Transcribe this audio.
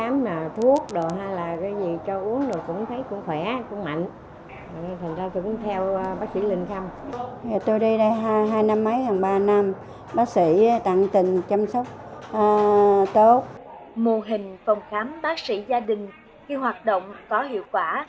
mô hình phòng khám bác sĩ gia đình khi hoạt động có hiệu quả